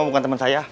bukan temen saya